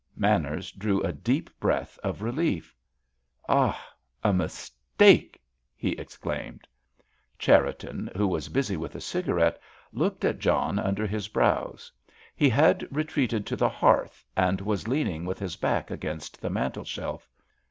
Manners drew in a deep breath of relief. "Ah—a—mistake!" he exclaimed. Cherriton, who was busy with a cigarette, looked at John under his brows. He had retreated to the hearth, and was leaning with his back against the mantelshelf.